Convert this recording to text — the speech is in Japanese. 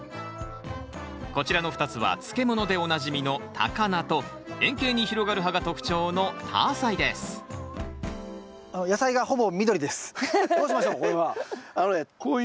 こちらの２つは漬物でおなじみのタカナと円形に広がる葉が特徴のタアサイですどうしましょう？